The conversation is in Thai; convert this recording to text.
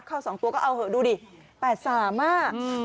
เข้า๒ตัวก็เอาเหอะดูดิ๘๓มา